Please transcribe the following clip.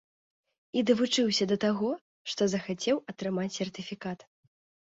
І давучыўся да таго, што захацеў атрымаць сертыфікат.